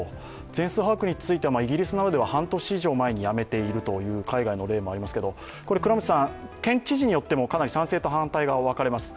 全数把握についてはイギリスなどでは半年前にやめているという海外の例もありますけれども、県知事によってもかなり賛成と反対が分かれます。